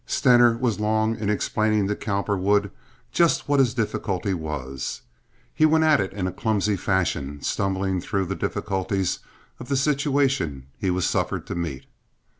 Stener was long in explaining to Cowperwood just what his difficulty was. He went at it in a clumsy fashion, stumbling through the difficulties of the situation he was suffered to meet.